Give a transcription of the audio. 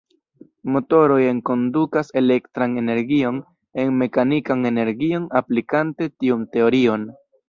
Motoroj enkondukas elektran energion en mekanikan energion aplikante tiun teorion.